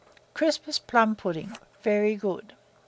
CHRISTMAS PLUM PUDDING. (Very Good.)